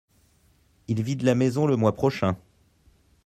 Ils vident la maison le mois prochain.